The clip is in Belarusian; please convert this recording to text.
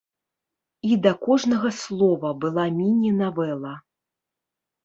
І да кожнага слова была міні-навэла.